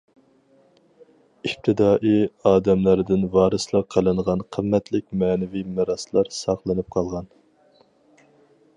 ئىپتىدائىي ئادەملەردىن ۋارىسلىق قىلىنغان قىممەتلىك مەنىۋى مىراسلار ساقلىنىپ قالغان.